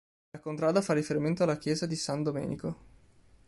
La contrada fa riferimento alla chiesa di San Domenico.